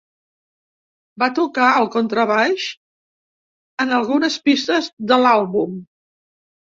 Va tocar el contrabaix en algunes pistes de l'àlbum.